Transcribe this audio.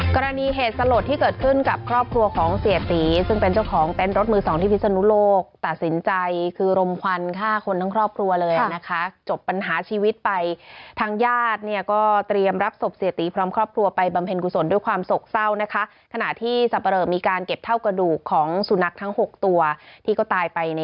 กรณีเหตุสลดที่เกิดขึ้นกับครอบครัวของเสียตีซึ่งเป็นเจ้าของเต้นรถมือสองที่พิศนุโลกตัดสินใจคือรมควันฆ่าคนทั้งครอบครัวเลยนะคะจบปัญหาชีวิตไปทางญาติเนี่ยก็เตรียมรับศพเสียตีพร้อมครอบครัวไปบำเพ็ญกุศลด้วยความโศกเศร้านะคะขณะที่สับปะเหลอมีการเก็บเท่ากระดูกของสุนัขทั้ง๖ตัวที่ก็ตายไปใน